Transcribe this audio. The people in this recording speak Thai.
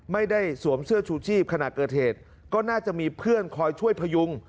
สวมเสื้อชูชีพขณะเกิดเหตุก็น่าจะมีเพื่อนคอยช่วยพยุง